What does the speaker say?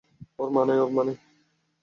ওর মা নেই!